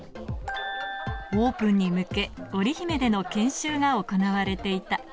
オープンに向け、オリヒメでの研修が行われていた。